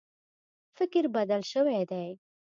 فکر بدل شوی دی.